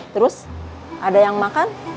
terus ada yang makan